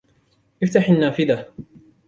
افتح النافذة.